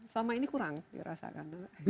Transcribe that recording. selama ini kurang dirasakan